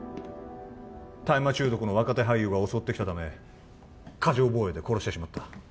大麻中毒の若手俳優が襲ってきたため過剰防衛で殺してしまった